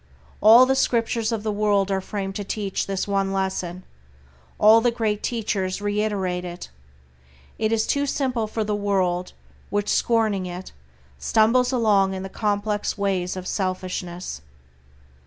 All the Scriptures of the world are framed to teach this one lesson; all the great teachers reiterate it. It is too simple for the world which, scorning it, stumbles along in the complex ways of selfishness.